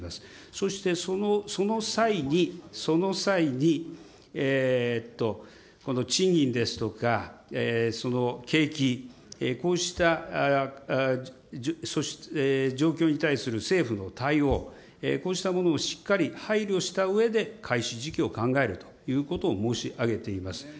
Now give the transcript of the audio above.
そしてその際に、その際に、賃金ですとか景気、こうした状況に対する政府の対応、こうしたものをしっかり配慮したうえで開始時期を考えるということを申し上げています。